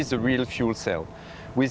yang merupakan sel perairan